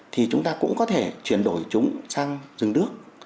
thì chúng ta cũng có thể chuyển đổi chúng sang rừng đước